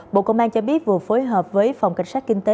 bộ công an cho biết vừa phối hợp với phòng cảnh sát kinh tế